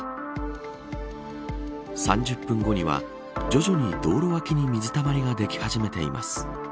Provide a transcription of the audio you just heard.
３０分後には徐々に道路脇に水たまりができ始めています。